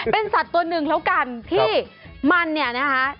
เป็นสัตว์ตัวหนึ่งแล้วกันที่มันเนี่ยนะคะ